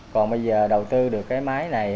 còn bây giờ đầu tư được cái máy này